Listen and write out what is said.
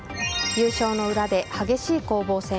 優勝の裏で激しい攻防戦。